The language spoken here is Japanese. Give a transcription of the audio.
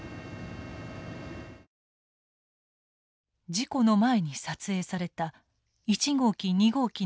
事故の前に撮影された１号機２号機の中央制御室。